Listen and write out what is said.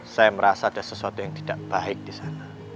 saya merasa ada sesuatu yang tidak baik disana